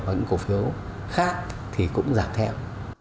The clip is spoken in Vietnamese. mà những cổ phiếu khác thì cũng giảm theo